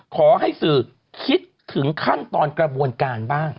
ขอให้สื่อคิดถึงขั้นตอนกระบวนการบ้าง